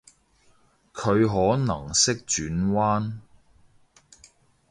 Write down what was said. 佢可能識轉彎？